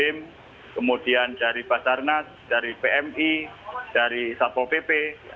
kemudian dari kodim kemudian dari basarnas dari pmi dari sabro pp